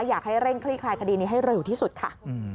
อยากให้เร่งคลี่คลายคดีนี้ให้เร็วที่สุดค่ะ